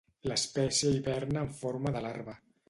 L'espècie hiberna en forma de larva.